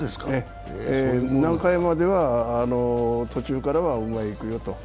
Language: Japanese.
何回までは途中からはお前いくよと。